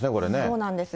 そうなんです。